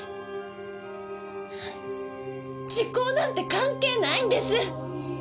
時効なんて関係ないんです！